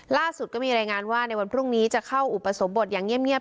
ล่าสุดก็มีรายงานว่าในวันพรุ่งนี้จะเข้าอุปสมบทอย่างเงียบ